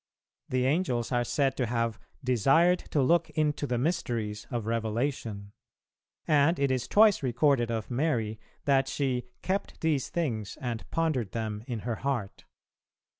The Angels are said to have "desired to look into the mysteries of Revelation," and it is twice recorded of Mary that she "kept these things and pondered them in her heart."